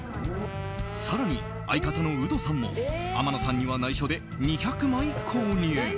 更に相方のウドさんも天野さんには内緒で２００枚購入。